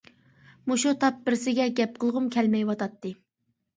مۇشۇ تاپ بىرسىگە گەپ قىلغۇم كەلمەيۋاتاتتى.